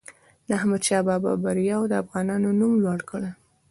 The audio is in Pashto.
د احمدشاه بابا بریاوو د افغانانو نوم لوړ کړ.